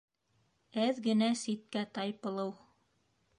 Әҙ генә ситкә тайпылыу.